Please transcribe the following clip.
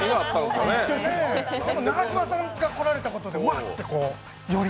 でも永島さんが来られたことでグッと、より。